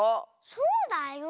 そうだよ。